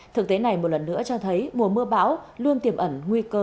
thực tế này một lần nữa cho thấy mùa mưa bão luôn tiềm ẩn nguy cơ